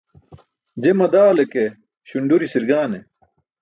Je madale ke, śunduri sirgaane.